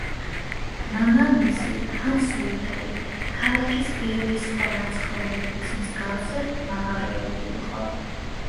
მამამისი, ჰანს ლუთერი, ქალაქის ბევრი სხვა მცხოვრების მსგავსად მაღაროელი იყო.